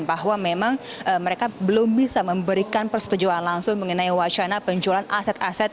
bahwa memang mereka belum bisa memberikan persetujuan langsung mengenai wacana penjualan aset aset